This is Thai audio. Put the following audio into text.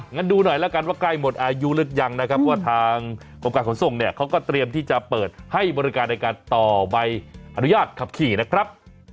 งั้นดูหน่อยแล้วกันว่าใกล้หมดอายุหรือยังนะครับว่าทางกรมการขนส่งเนี่ยเขาก็เตรียมที่จะเปิดให้บริการในการต่อใบอนุญาตขับขี่นะครับ